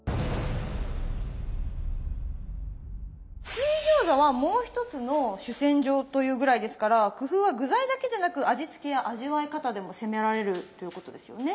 水餃子はもう一つの主戦場というぐらいですから工夫は具材だけじゃなく味付けや味わい方でも攻められるということですよね。